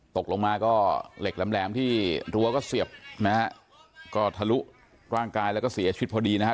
ตกลงมาก็เหล็กแหลมที่รั้วก็เสียบนะฮะก็ทะลุร่างกายแล้วก็เสียชีวิตพอดีนะฮะ